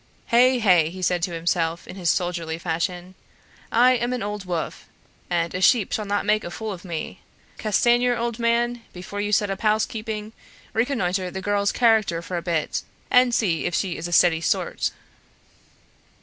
"Hey! hey!" he said to himself, in his soldierly fashion, "I am an old wolf, and a sheep shall not make a fool of me. Castanier, old man, before you set up housekeeping, reconnoiter the girl's character for a bit, and see if she is a steady sort."